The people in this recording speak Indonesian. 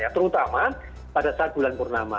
terutama pada saat bulan purnama